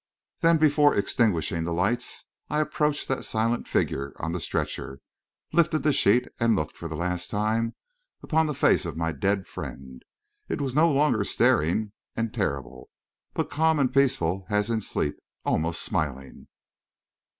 Then, before extinguishing the lights, I approached that silent figure on the stretcher, lifted the sheet and looked for the last time upon the face of my dead friend. It was no longer staring and terrible, but calm and peaceful as in sleep almost smiling.